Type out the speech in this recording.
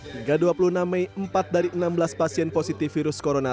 hingga dua puluh enam mei empat dari enam belas pasien positif virus corona